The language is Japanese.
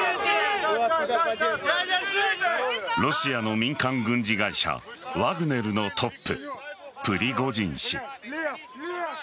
ロシアの民間軍事会社ワグネルのトッププリゴジン氏。